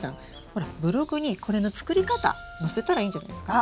ほらブログにこれの作り方載せたらいいんじゃないですか？